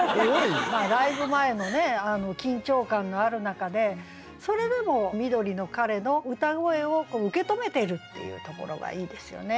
ライブ前の緊張感のある中でそれでも緑の彼の歌声を受け止めているっていうところがいいですよね。